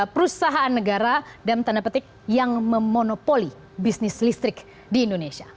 perusahaan negara dalam tanda petik yang memonopoli bisnis listrik di indonesia